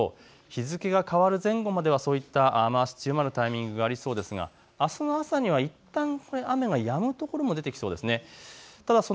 日付が変わる前後まではそういった雨足、強まるタイミングがありそうですが、あすの朝にはいったん雨がやむ所も出てきそうですね。